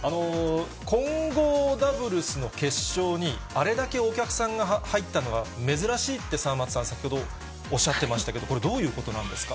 混合ダブルスの決勝に、あれだけお客さんが入ったのは珍しいって、沢松さん、先ほど、おっしゃってましたけど、これ、どういうことなんですか。